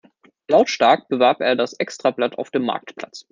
Lautstark bewarb er das Extrablatt auf dem Marktplatz.